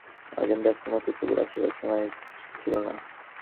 কিন্তু যাত্রা শুনিতে যাওয়ার আয়োজনে ব্যস্ত মতির পুকুরে আসিবার সময় ছিল না।